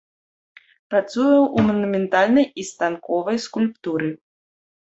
Працуе ў манументальнай і станковай скульптуры.